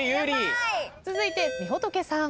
続いてみほとけさん。